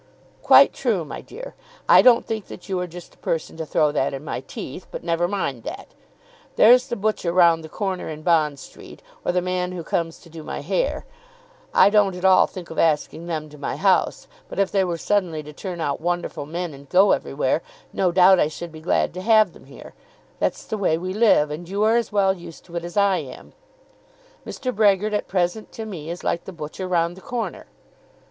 "Quite true, my dear. I don't think that you are just the person to throw that in my teeth; but never mind that. There's the butcher round the corner in Bond Street, or the man who comes to do my hair. I don't at all think of asking them to my house. But if they were suddenly to turn out wonderful men, and go everywhere, no doubt I should be glad to have them here. That's the way we live, and you are as well used to it as I am. Mr. Brehgert at present to me is like the butcher round the corner."